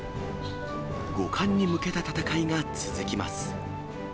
五冠に向けた戦いが続きます。